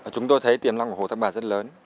chúng tôi thấy tiềm lăng của hồ thái bà rất lớn